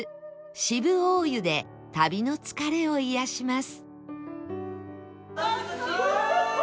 渋大湯で旅の疲れを癒やします